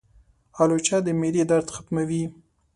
الوچه د معدې درد ختموي.